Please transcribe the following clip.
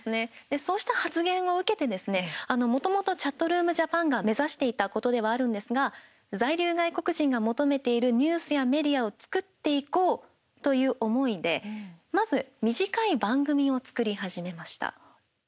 そうした発言を受けてもともと「ＣｈａｔｒｏｏｍＪａｐａｎ」が目指していたことではあるんですが在留外国人が求めているニュースやメディアを作っていこうという思いでまず短い番組を作り始めました。